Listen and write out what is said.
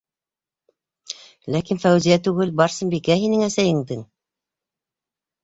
Ләкин Фәүзиә түгел, Барсынбикә. һинең әсәйеңдең...